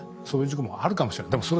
そういう事故もあるかもしれない。